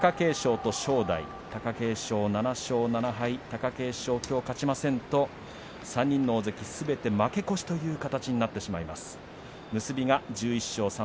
貴景勝、７勝７敗きょう勝ちませんと３人の大関すべて負け越しという形になってしまいます。